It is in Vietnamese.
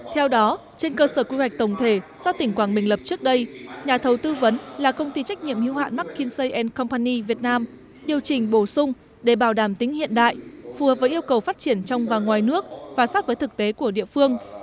theo đó trên cơ sở quy hoạch tổng thể do tỉnh quảng bình lập trước đây nhà thầu tư vấn là công ty trách nhiệm hữu hạn mckinsey copanny việt nam điều chỉnh bổ sung để bảo đảm tính hiện đại phù hợp với yêu cầu phát triển trong và ngoài nước và sát với thực tế của địa phương